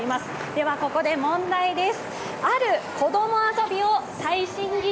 では、ここで問題です。